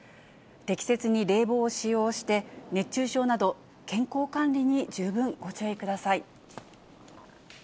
適切に冷房を使用して、熱中症など、健康管理に十分ご注意ください。